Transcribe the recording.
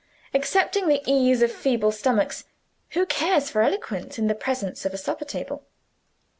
Excepting the ease of feeble stomachs, who cares for eloquence in the presence of a supper table?